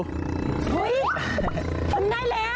อุ๊ยมันได้แล้ว